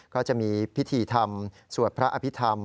ก็จะมีพิธีธรรมสวดพระอภิษฐรรม